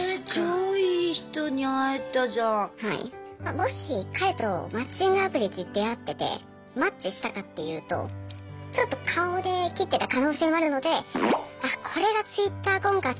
もし彼とマッチングアプリで出会っててマッチしたかっていうとちょっと顔で切ってた可能性もあるのであっこれがＴｗｉｔｔｅｒ婚活だと。